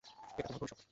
এটা তোমার ভবিষ্যত।